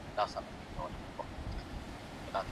په هېواد کې د جګړې اورنه لا شته، خو ملت متحد پاتې شوی دی.